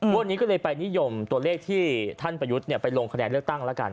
วันนี้ก็เลยไปนิยมตัวเลขที่ท่านประยุทธ์ไปลงคะแนนเลือกตั้งแล้วกัน